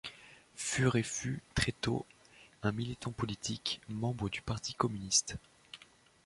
Furet fut, très tôt, un militant politique, membre du Parti communiste.